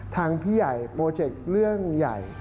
ทางพี่ใหญ่โปรเจกต์เรื่องใหญ่